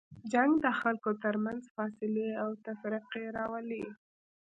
جنګ د خلکو تر منځ فاصله او تفرقې راولي.